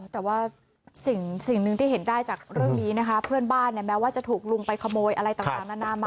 แต่ว่าสิ่งหนึ่งที่เห็นได้จากเรื่องนี้นะคะเพื่อนบ้านแม้ว่าจะถูกลุงไปขโมยอะไรต่างนานามา